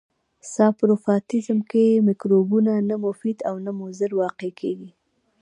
ساپروفایټیزم کې مکروبونه نه مفید او نه مضر واقع کیږي.